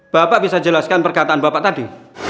bapak bisa jelaskan perkataan bapak tadi